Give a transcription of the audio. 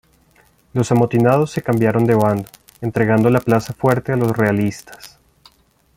Los amotinados se cambiaron de bando, entregando la plaza fuerte a los realistas.